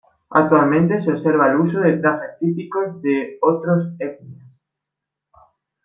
Actualmente se observa el uso de trajes típicos de otros etnias.